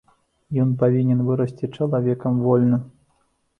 Ён павінен вырасці чалавекам вольным.